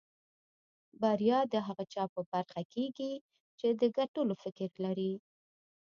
بريا د هغه چا په برخه کېږي چې د ګټلو فکر لري.